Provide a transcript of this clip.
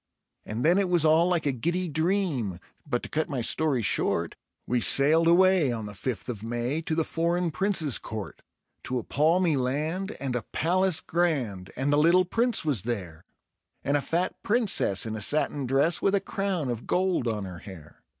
And then it was all like a giddy dream; but to cut my story short, We sailed away on the fifth of May to the foreign Prince's court; To a palmy land and a palace grand, and the little Prince was there, And a fat Princess in a satin dress with a crown of gold on her hair.